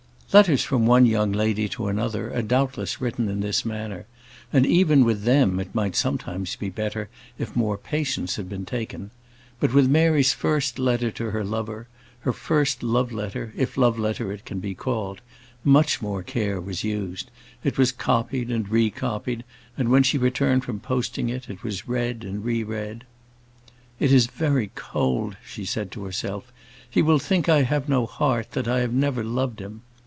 Letters from one young lady to another are doubtless written in this manner, and even with them it might sometimes be better if more patience had been taken; but with Mary's first letter to her lover her first love letter, if love letter it can be called much more care was used. It was copied and re copied, and when she returned from posting it, it was read and re read. "It is very cold," she said to herself; "he will think I have no heart, that I have never loved him!"